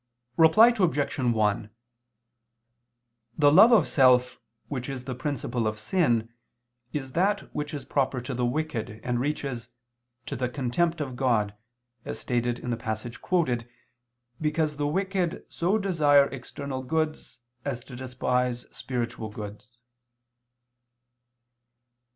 Reply Obj. 1: The love of self which is the principle of sin is that which is proper to the wicked, and reaches "to the contempt of God," as stated in the passage quoted, because the wicked so desire external goods as to despise spiritual goods.